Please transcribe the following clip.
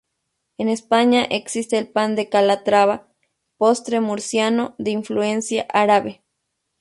En España existe el pan de Calatrava, postre murciano de influencia árabe.